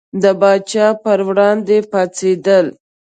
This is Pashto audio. د پاچا پر وړاندې پاڅېدل.